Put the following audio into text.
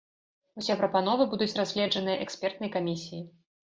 Усе прапановы будуць разгледжаныя экспертнай камісіяй.